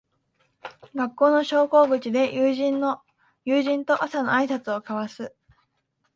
学校の昇降口で友人と朝のあいさつを交わす